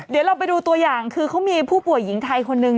เดี๋ยวเราไปดูตัวอย่างคือเขามีผู้ป่วยหญิงไทยคนหนึ่ง